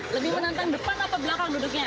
lebih menantang depan atau belakang duduknya